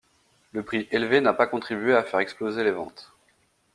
Le prix élevé n'a pas contribué à faire exploser les ventes.